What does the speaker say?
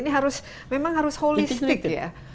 ini memang harus holistik ya